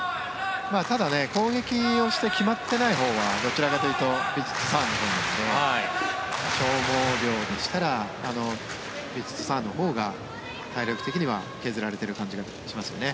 ただ、攻撃をして決まっていないほうはどちらかというとヴィチットサーンのほうなので消耗量でしたらヴィチットサーンのほうが体力的には削られている感じがしますよね。